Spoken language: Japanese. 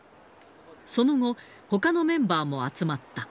その後、ほかのメンバーも集まった。